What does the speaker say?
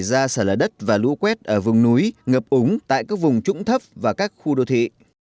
nguy cơ cao xảy ra là đất và lũ quét ở vùng núi ngập ống tại các vùng trũng thấp và các khu đô thị